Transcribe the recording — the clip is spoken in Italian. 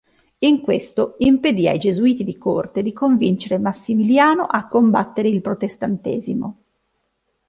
In questo impedì ai gesuiti di corte di convincere Massimiliano a combattere il protestantesimo.